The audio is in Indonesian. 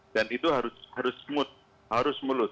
dan itu harus smooth harus mulut